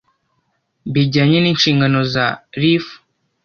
bijyanye n inshingano za reaf